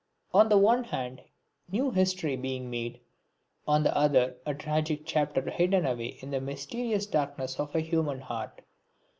On the one hand new history being made, on the other a tragic chapter hidden away in the mysterious darkness of a human heart.